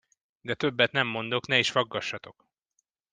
De többet nem mondok, ne is faggassatok!